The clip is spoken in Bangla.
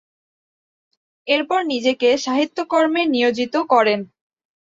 এরপর নিজেকে সাহিত্যকর্মে নিয়োজিত করেন।